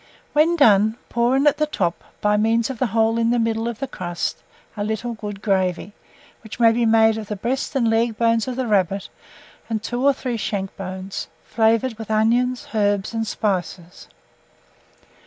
When done, pour in at the top, by means of the hole in the middle of the crust, a little good gravy, which may be made of the breast and leg bones of the rabbit and 2 or 3 shank bones, flavoured with onion, herbs, and spices.